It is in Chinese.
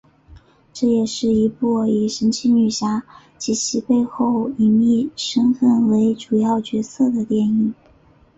这也是第一部以神奇女侠及其背后隐秘身份为主要角色的电影。